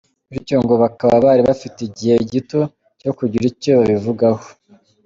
Bityo ngo bakaba bari bafite igihe gito cyo kugira icyo babivugaho.